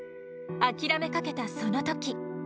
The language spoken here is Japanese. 諦めかけたその時。